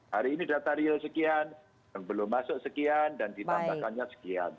hari ini data real sekian yang belum masuk sekian dan ditambahkannya sekian